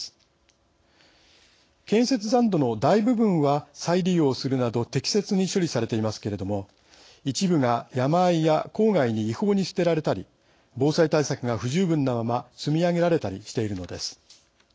建設残土の大部分は再利用するなど適切に処理されていますけれども一部が山あいや郊外に違法に捨てられたり防災対策が不十分なまま積み上げられたりしているのです。